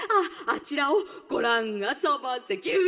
あちらをごらんあそばせキュ！」。